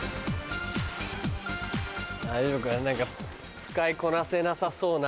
大丈夫かな何か使いこなせなさそうな。